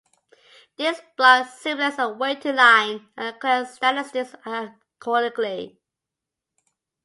This block simulates a waiting line, and collects statistics accordingly.